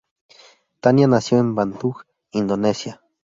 Tania nació en Bandung, Indonesia.